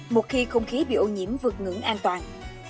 một khi không khí bị ô nhiễm vượt ngưỡng an toàn